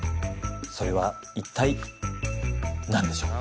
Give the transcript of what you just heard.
それは一体何でしょう？